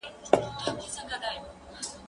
زه به سبا شګه پاکوم